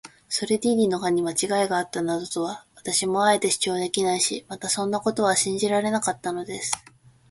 ソルディーニの課にまちがいがあったなどとは、私もあえて主張できないし、またそんなことは信じられなかったのです。